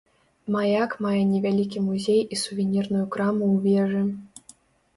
Маяк мае невялікі музей і сувенірную краму ў вежы.